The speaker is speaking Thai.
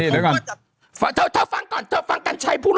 แล้วทรัพย์หายป่ะ